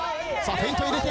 フェイント入れて。